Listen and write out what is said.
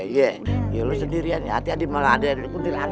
iya lo sendirian ya hati hati malah ada yang berpunjil anak lo